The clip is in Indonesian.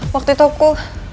waktu itu aku